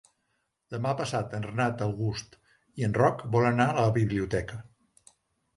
Demà passat en Renat August i en Roc volen anar a la biblioteca.